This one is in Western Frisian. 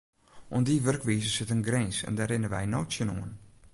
Oan dy wurkwize sit in grins en dêr rinne wy no tsjinoan.